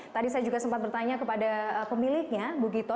tadi saya juga sempat bertanya kepada pemiliknya bu gito